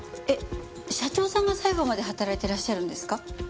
えっ社長さんが最後まで働いてらっしゃるんですか？